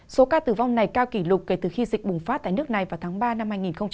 số ca tử vong này cao kỷ lục kể từ khi dịch bùng phát tại nước này vào tháng ba năm hai nghìn hai mươi